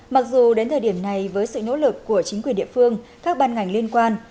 mặc dù đến thời điểm này với sự nỗ lực của chính quyền địa phương các ban ngành liên quan